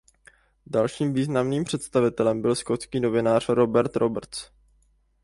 Dalším výrazným představitelem byl skotský novinář Robert Roberts.